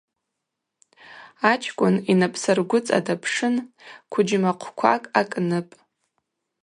Ачкӏвын йнапӏсаргвыцӏа дапшын – квыджьмахъвквакӏ акӏныпӏ.